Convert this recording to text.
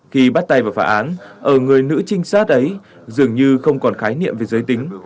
khi bắt tay vào phá án ở người nữ trinh sát ấy dường như không còn khái niệm về giới tính